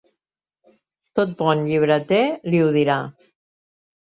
Tot bon llibreter li ho dirà.